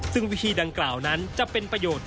ซึ่งวิธีดังกล่าวนั้นจะเป็นประโยชน์